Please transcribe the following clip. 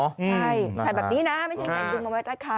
ใช่ใส่แบบนี้นะไม่ใช่แบบยุงบนเวทราคา